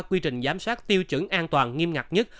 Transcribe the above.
quy trình giám sát tiêu chuẩn an toàn nghiêm ngặt nhất